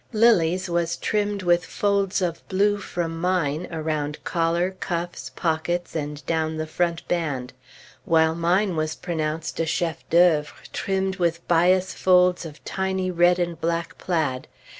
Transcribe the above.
Lilly's was trimmed with folds of blue from mine, around collar, cuffs, pockets, and down the front band; while mine was pronounced a chef d'oeuvre, trimmed with bias folds of tiny red and black plaid.